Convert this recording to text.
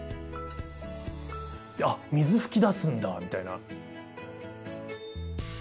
あっ水噴き出すんだみたいな。